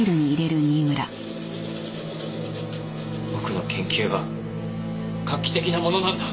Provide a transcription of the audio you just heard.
僕の研究は画期的なものなんだ。